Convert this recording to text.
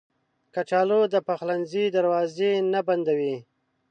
کچالو د پخلنځي دروازه نه بندوي